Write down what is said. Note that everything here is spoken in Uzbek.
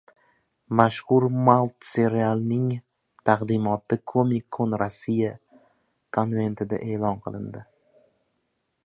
Mashhur multserialning taqdimoti Comic Con Russia konventida e’lon qilindi